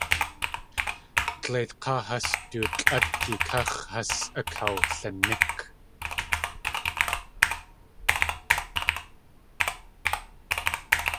Dleit k̲áa has du tlʼátgi káx̲ has akawliník.